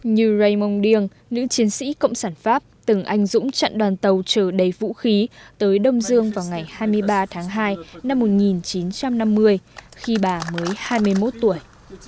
như raymond dieng nữ chiến sĩ cộng sản pháp từng anh dũng chặn đoàn tàu trở đầy vũ khí tới đông dương vào ngày hai mươi ba tháng hai năm một nghìn chín trăm năm mươi khi bà mới hai mươi một tuổi